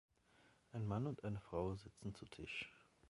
Ein Mann und eine Frau sitzen zu Tisch